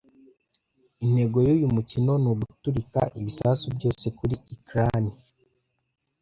Intego yuyu mukino ni uguturika ibisasu byose kuri ecran.